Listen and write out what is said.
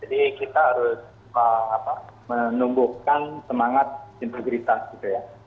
jadi kita harus menumbuhkan semangat integritas gitu ya